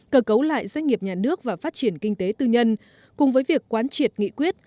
cờ cấu lại doanh nghiệp nhà nước và phát triển kinh tế tư nhân cùng với việc quán triệt nghị quyết